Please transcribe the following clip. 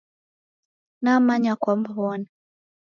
Namanya kwamw'ona.